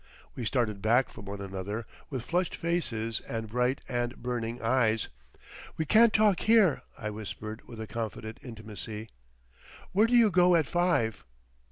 We started back from one another with flushed faces and bright and burning eyes. "We can't talk here," I whispered with a confident intimacy. "Where do you go at five?"